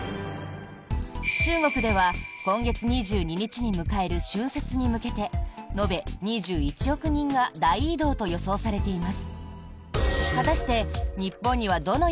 中国では今月２２日に迎える春節に向けて延べ２１億人が大移動と予想されています。